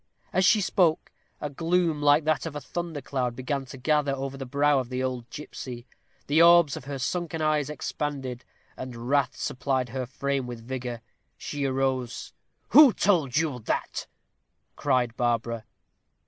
As she spoke, a gloom, like that of a thunder cloud, began to gather over the brow of the old gipsy. The orbs of her sunken eyes expanded, and wrath supplied her frame with vigor. She arose. "Who told you that?" cried Barbara.